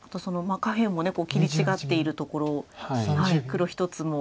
下辺も切り違っているところ黒１つも。